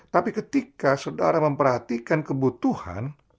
tapi ketika saudara memperhatikan kebutuhan